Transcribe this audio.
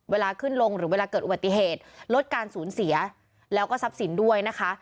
เวลาขึ้นลงหรือเวลาเกิดอุบัติเหตุลดการสูญเสียแล้วก็ทรัพย์สินด้วยนะคะ